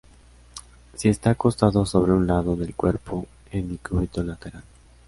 Si está acostado sobre un lado del cuerpo, en decúbito lateral.